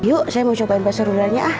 yuk saya mau cobain baso rudanya ah